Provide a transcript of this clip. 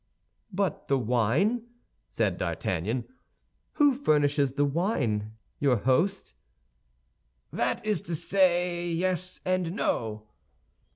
"But the wine," said D'Artagnan, "who furnishes the wine? Your host?" "That is to say, yes and no."